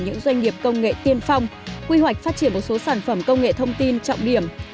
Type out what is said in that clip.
những doanh nghiệp công nghệ tiên phong quy hoạch phát triển một số sản phẩm công nghệ thông tin trọng điểm